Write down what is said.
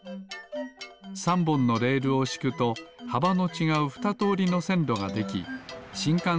３ぼんのレールをしくとはばのちがうふたとおりのせんろができしんかん